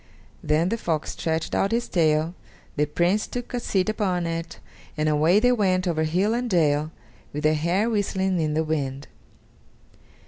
Then the fox stretched out his tail, the Prince took a seat upon it, and away they went over hill and dale, with their hair whistling in the wind.